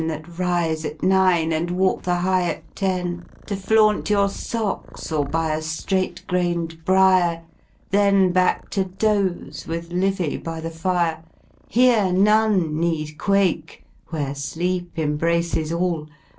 That rise at nine and walk The High at teny To flaunt your socks or buy a flraight grain* d briar. Then back to doze, with Livyy by the fire. Here none need quake, where Sleep embraces all.